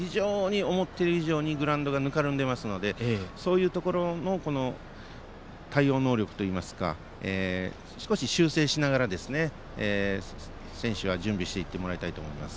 思っている以上にグラウンドがぬかるんでいますのでそういうところの対応能力といいますか少し修正しながら選手は準備してもらいたいと思います。